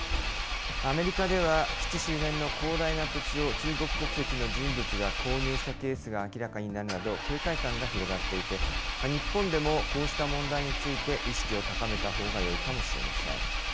アメリカでは基地周辺の広大な土地を、中国国籍の人物が購入したケースが明らかになるなど、警戒感が広がっていて、日本でもこうした問題について意識を高めたほうがよいかもしれません。